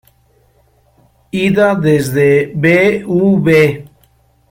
Ida: Desde Bv.